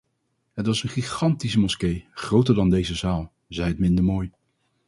Het was een gigantische moskee, groter dan deze zaal, zij het minder mooi.